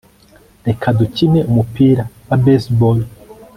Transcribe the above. reka dukine umupira wa baseball